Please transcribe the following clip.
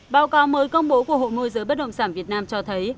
báo cáo mới công bố của hội môi giới bất động sản việt nam cho thấy